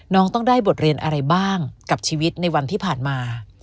น้องต้องได้บทเรียนอะไรบ้างกับชีวิตในวันที่ผ่านมา